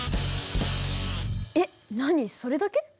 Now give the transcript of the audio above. えっ何それだけ？